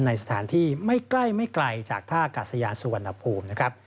ในสถานที่ไม่ใกล้ไม่ไกลจากท่ากาศยานสุวรรณภูมินะครับ